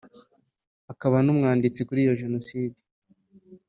akaba n’umwanditsi kuri iyo Jenoside